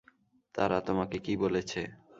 তারা তোমাকে কী বলেছে?